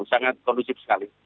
sangat kondusif sekali